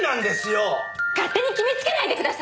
勝手に決めつけないでください！